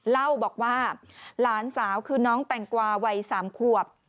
เล่าบอกว่าหลานสาวคือน้องแตงกวาวัย๓ขวบ